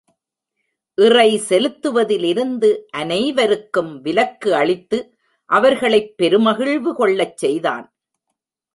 இறை செலுத்துவதிலிருந்து அனை வருக்கும் விலக்கு அளித்து அவர்களைப் பெரு மகிழ்வு கொள்ளச் செய்தான்.